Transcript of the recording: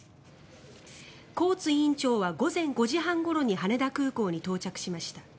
コーツ委員長は午前５時半ごろに羽田空港に到着しました。